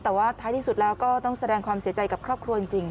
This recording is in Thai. แต่ว่าท้ายที่สุดแล้วก็ต้องแสดงความเสียใจกับครอบครัวจริง